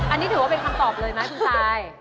อันนี้ถือว่าเป็นคำตอบเลยไหมคุณซาย